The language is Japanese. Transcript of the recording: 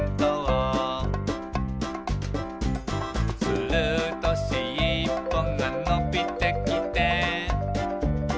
「するとしっぽがのびてきて」